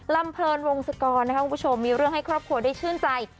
เพลินวงศกรนะครับคุณผู้ชมมีเรื่องให้ครอบครัวได้ชื่นใจ